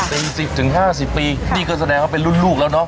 เป็นสิบถึงห้าสิบปีนี่ก็แสดงว่าเป็นรุ่นลูกแล้วเนาะ